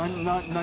何？